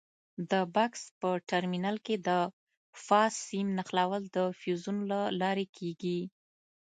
د بکس په ټرمینل کې د فاز سیم نښلول د فیوزونو له لارې کېږي.